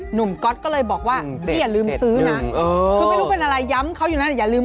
หนุ่มก๊อตก็เลยบอกว่า๑๗๑อย่าลืมซื้อนะคุณไม่รู้เป็นอะไรย้ำเขายังไง